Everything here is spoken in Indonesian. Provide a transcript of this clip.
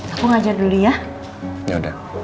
aku ngajar dulu ya